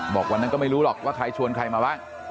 บอกวันนั้นก็ไม่รู้หรอกว่าใครชวนใครมาบ้าง